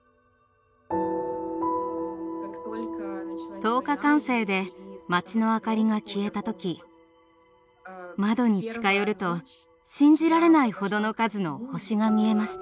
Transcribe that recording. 灯火管制で町の明かりが消えた時窓に近寄ると信じられないほどの数の星が見えました。